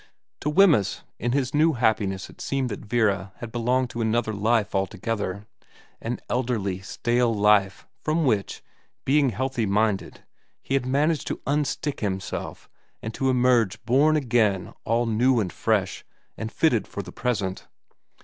To Wemyss in his new happiness it seemed that Vera had belonged to another life altogether, an elderly, stale life from which, being healthy minded, he had managed to unstick himself and to emerge born again all new and fresh and fitted for the present.